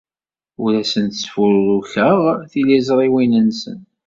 Ur asen-sfurukeɣ tiliẓriwin-nsen.